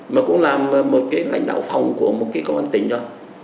mà cũng làm một cái lãnh đạo phòng của một cái công an tỉnh rồi